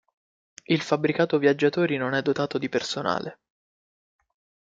Il fabbricato viaggiatori non è dotato di personale.